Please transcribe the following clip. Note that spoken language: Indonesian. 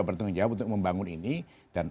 bertanggung jawab untuk membangun ini dan